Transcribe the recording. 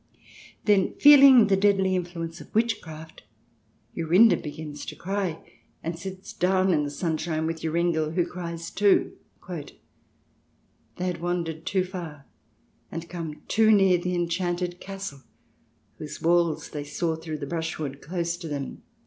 Then, feeling the deadly influ ence of witchcraft, Jorinde begins to cry, and sits down in the sunshine with Joringel, who cries too. "They had wandered too far, and come too near the enchanted castle, whose walls they saw through the brushwood close to them."